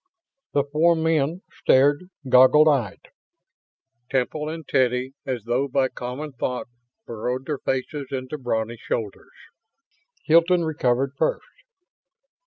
The four men stared, goggle eyed. Temple and Teddy, as though by common thought, burrowed their faces into brawny shoulders. Hilton recovered first.